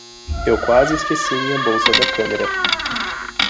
Eu quase esqueci minha bolsa da câmera.